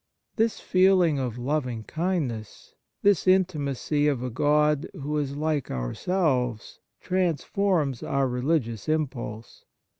This feeling of loving kindness, this intimacy of a God who is like our selves, transforms our religious im pulse.